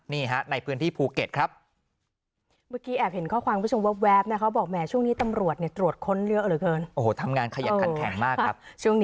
นี่ฮะในพื้นที่ภูเก็ตครับ